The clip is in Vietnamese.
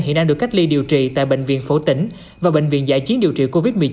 hiện đang được cách ly điều trị tại bệnh viện phổ tỉnh và bệnh viện giải chiến điều trị covid một mươi chín